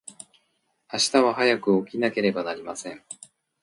明日は早く起きなければなりません。